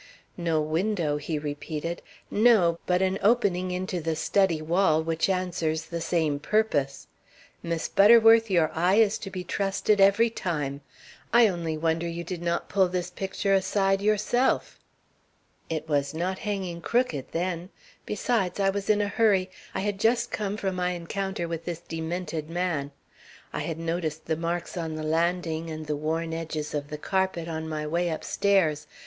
"No window," he repeated. "No, but an opening into the study wall which answers the same purpose. Miss Butterworth, your eye is to be trusted every time. I only wonder you did not pull this picture aside yourself." "It was not hanging crooked then. Besides I was in a hurry. I had just come from my encounter with this demented man. I had noticed the marks on the landing, and the worn edges of the carpet, on my way upstairs.